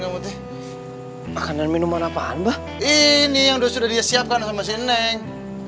makanan minuman apaan mbah ini yang sudah disiapkan sama si neng